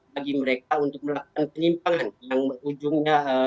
bagi mereka untuk melakukan penyimpangan yang berujungnya